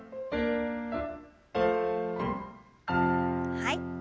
はい。